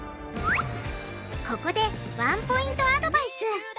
ここでワンポイントアドバイス！